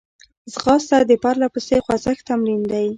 ځغاسته د پرلهپسې خوځښت تمرین دی